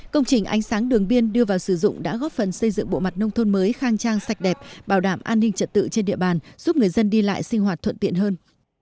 công trình ánh sáng đường biên đưa vào sử dụng đã góp phần xây dựng bộ mặt nông thôn mới khang trang sạch đẹp bảo đảm an ninh trật tự trên địa bàn giúp người dân đi lại sinh hoạt thuận tiện hơn